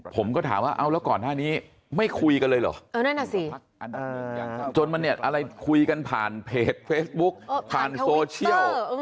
ผมก็ถามว่าเอาแล้วก่อนหน้านี้ไม่คุยกันเลยเหรอนั่นน่ะสิจนมันเนี่ยอะไรคุยกันผ่านเพจเฟซบุ๊กผ่านโซเชียล